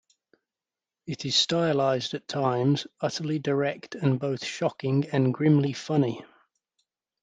It is stylized at times, utterly direct and both shocking and grimly funny.